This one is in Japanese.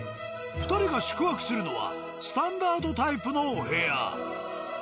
２人が宿泊するのはスタンダードタイプのお部屋。